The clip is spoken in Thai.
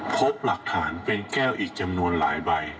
พบหลักฐานเป็นแก้วอีกจำนวนหลายใบ